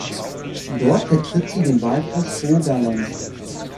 Dort vertritt sie den Wahlkreis Rogaland.